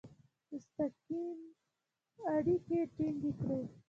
مستقیم اړیکي ټینګ کړي.